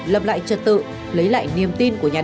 lập lại trật tự lấy lại niềm tin của nhà nước